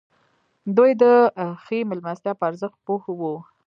دوی د ښې مېلمستیا په ارزښت پوه وو.